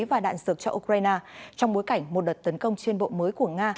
và đạn dược cho ukraine trong bối cảnh một đợt tấn công trên bộ mới của nga